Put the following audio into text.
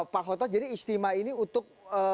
pak khoto jadi istimewa ini untuk